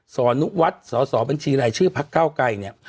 อนุวัฒน์สอสอบัญชีรายชื่อพักเก้าไกรเนี่ย